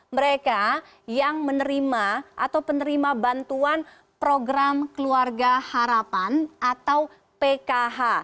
mereka yang menerima atau penerima bantuan program keluarga harapan atau pkh